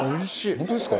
本当ですか？